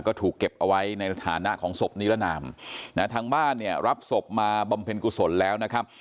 ก็ถูกเก็บเอาไว้ในฐานะของศพนิรนามนะฮะทางบ้านเนี่ยรับศพมาบำเพ็ญกุศลแล้วนะครับ